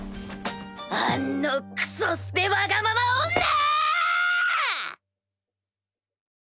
あんのクソスペわがまま女！